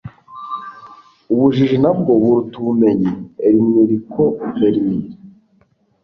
ubujiji ntabwo buruta ubumenyi. - enrico fermi